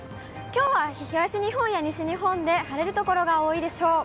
きょうは東日本や西日本で晴れる所が多いでしょう。